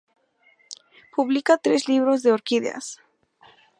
Publica tres libros de orquídeas.